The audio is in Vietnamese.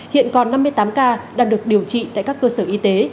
hiện còn năm mươi tám ca đang được điều trị tại các cơ sở y tế